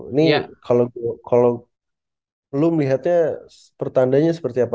ini kalau lo melihatnya pertandanya seperti apa